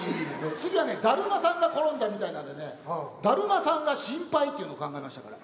次はねだるまさんが転んだみたいなんでねだるまさんが心配っていうの考えましたから。